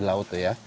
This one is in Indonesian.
apa yang mas rasakan